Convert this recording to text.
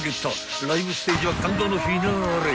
［ライブステージは感動のフィナーレ］